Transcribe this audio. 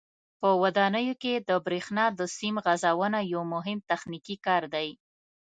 په ودانیو کې د برېښنا د سیم غځونه یو مهم تخنیکي کار دی.